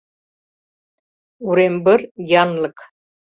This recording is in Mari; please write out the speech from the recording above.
Урембыр — янлык.